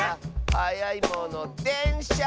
「はやいものでんしゃ！」